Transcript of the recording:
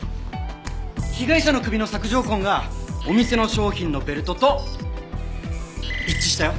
被害者の首の索条痕がお店の商品のベルトと一致したよ。